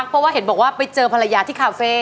เพราะว่าเห็นบอกว่าไปเจอภรรยาที่คาเฟ่